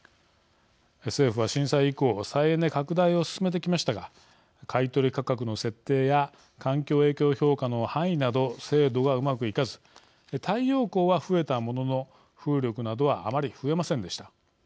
政府は、震災以降再エネ拡大を進めてきましたが買い取り価格の設定や環境影響評価の範囲など制度がうまくいかず太陽光は増えたものの風力などはあまり増えませんでした。